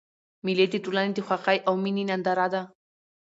مېلې د ټولني د خوښۍ او میني ننداره ده.